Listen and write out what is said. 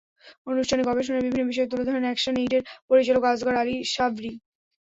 অনুষ্ঠানে গবেষণার বিভিন্ন বিষয় তুলে ধরেন অ্যাকশনএইডের পরিচালক আজগর আলী সাবরী।